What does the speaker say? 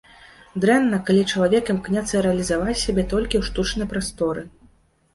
Дрэнна, калі чалавек імкнецца рэалізаваць сябе толькі ў штучнай прасторы.